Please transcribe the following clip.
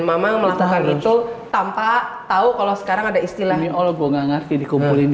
mama melakukan itu tanpa tahu kalau sekarang ada istilahnya oh gue gak ngerti dikumpulin